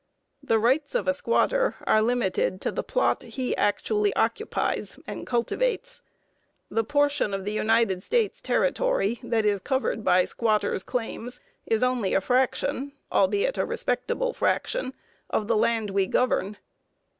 The rights of a squatter are limited to the plot he actually occupies and cultivates. The portion of the United States territory that is covered by squatters' claims is only a fraction, albeit a respectable fraction, of the land we govern.